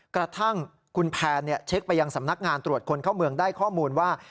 กระทั่งคุณแพนเช็คไปยังสำนักงานตรวจคนเข้าเมืองได้ข้อมูลว่า